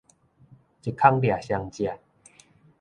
一空掠雙隻